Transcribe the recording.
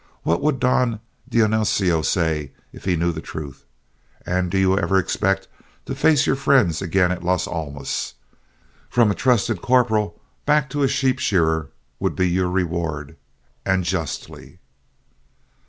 What would Don Dionisio say if he knew the truth? And do you ever expect to face your friends again at Los Olmus? From a trusted corporal back to a sheep shearer would be your reward and justly."